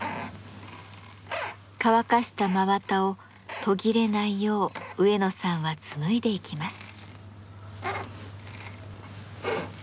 乾かした真綿を途切れないよう植野さんは紡いでいきます。